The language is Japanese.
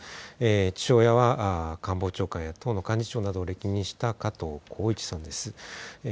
父親は官房長官や党の幹事長などを歴任した加藤紘一さんです。